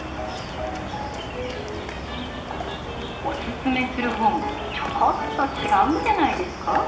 おすすめする本チョコっとちがうんじゃないですか？